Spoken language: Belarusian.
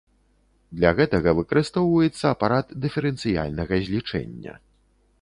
Для гэтага выкарыстоўваецца апарат дыферэнцыяльнага злічэння.